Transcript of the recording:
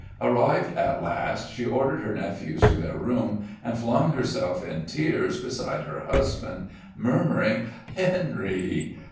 Arrived at last, she ordered her nephews to their room, and flung herself in tears beside her husband, murmuring: "Henry!"